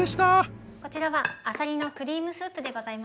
こちらはあさりのクリームスープでございます。